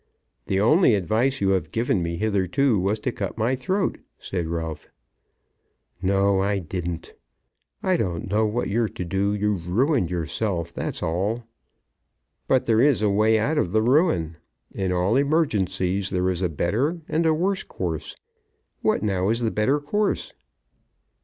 "The only advice you have given me hitherto was to cut my throat," said Ralph. "No, I didn't. I don't know what you're to do. You've ruined yourself; that's all." "But there is a way out of the ruin. In all emergencies there is a better and a worse course. What, now, is the better course?"